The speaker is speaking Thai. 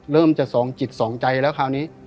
เริ่มจะสองจิตสองใจแล้วคราวนี้